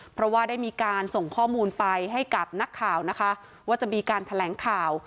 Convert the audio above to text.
เพราะว่าได้มีการส่งข้อมูลไปให้กับนักข่าวนะคะว่าจะมีการแถลงข่าว